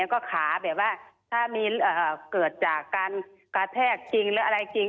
แล้วก็ขาแบบว่าถ้ามีเกิดจากการกระแทกจริงหรืออะไรจริง